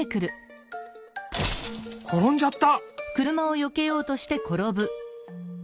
ころんじゃった！